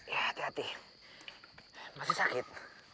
hati hati masih sakit